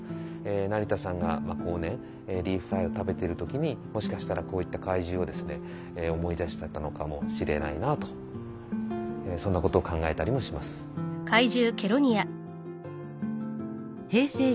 成田さんが後年リーフパイを食べてる時にもしかしたらこういった怪獣をですね思い出してたのかもしれないなとそんなことを考えたりもします。